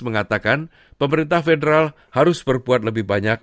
mengatakan pemerintah federal harus berbuat lebih banyak